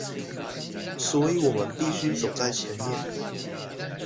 所以我們必須走在前面